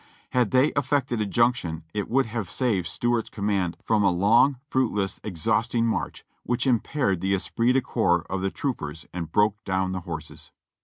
Had they effected a junction it would have saved Stuart's command from a long, fruitless, ex hausting march, which impaired the esprit de corps of the troop ers and broke down the horses.